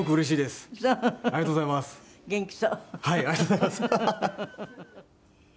ありがとうございます。